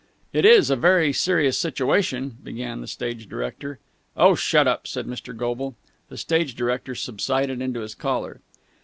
"It is a very serious situation...." began the stage director. "Oh, shut up!" said Mr. Goble. The stage director subsided into his collar.